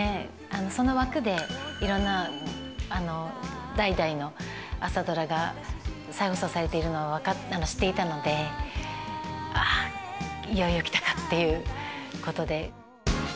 その枠でいろんな代々の朝ドラが再放送されているのは知っていたのでいよいよ来たかっていうことで。